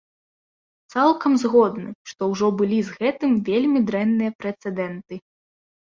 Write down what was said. Цалкам згодны, што ўжо былі з гэтым вельмі дрэнныя прэцэдэнты.